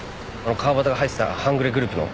川端が入ってた半グレグループの？